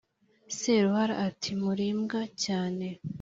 Saruhara iti «muri imbwa cyane